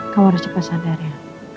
kau harus cepat sadar ya